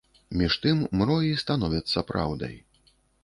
Між тым мроі становяцца праўдай.